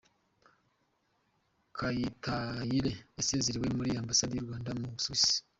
Kayitayire yasezerewe muri Ambasade y’u Rwanda mu Busuwisi